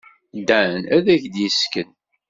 Dan ad ak-d-yessken.